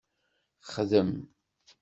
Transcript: Xdem!